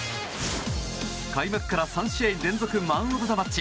開幕から３試合連続マン・オブ・ザ・マッチ。